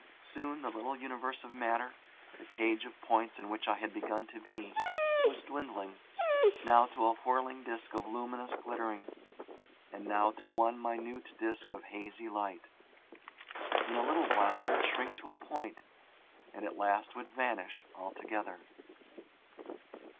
Soon the little universe of matter, the cage of points in which I had begun to be, was dwindling, now to a whirling disc of luminous glittering, and now to one minute disc of hazy light. In a little while it would shrink to a point, and at last would vanish altogether.